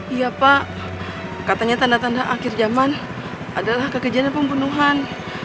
iya pak katanya tanda tanda akhir jaman adalah kekejian dan pembunuhan